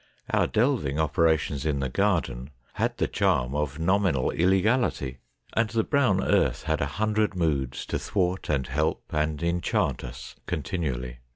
Our delving operations in the garden had the charm of nominal illegality, and the brown earth had a hundred moods to thwart and help and enchant us continually.